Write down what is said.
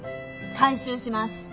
回収します。